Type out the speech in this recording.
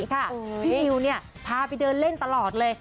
พี่นิวพาไปเดินเล่นตลอดเลย